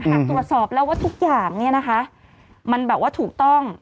หากตรวจสอบแล้วว่าทุกอย่างมันแบบว่าถูกต้อง